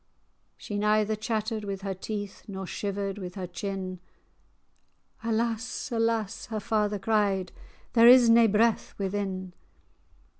She neither chattered with her teeth, Nor shivered with her chin; "Alas! alas!" her father cried, "There is nae breath within."